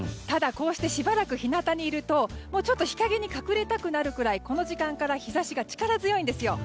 ただ、こうしてしばらく日向にいると日陰に隠れたくなるくらいこの時間から日差しが力強いんです。